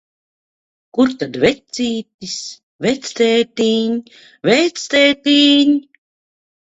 Kur tad vecītis? Vectētiņ, vectētiņ!